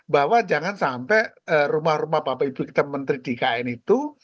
bahwa jangan sampai rumah rumah bapak ibu kita menteri di ikn itu